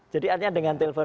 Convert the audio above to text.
jadi artinya dengan telpon